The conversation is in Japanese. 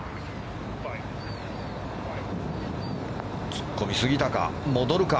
突っ込みすぎたか。